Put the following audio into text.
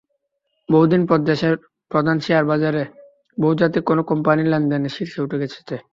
বহুদিন পর দেশের প্রধান শেয়ারবাজারে বহুজাতিক কোনো কোম্পানি লেনদেনের শীর্ষে উঠে এসেছে।